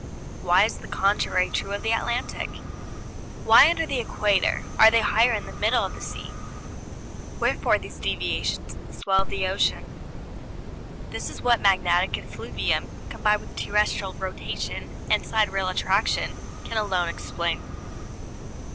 Why is the contrary true of the Atlantic? Why, under the Equator, are they highest in the middle of the sea? Wherefore these deviations in the swell of the ocean? This is what magnetic effluvium, combined with terrestrial rotation and sidereal attraction, can alone explain.